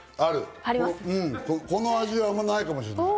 この味はあんまりないかもしれない。